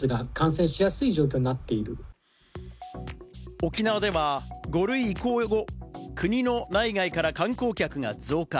沖縄では５類移行後、国の内外から観光客が増加。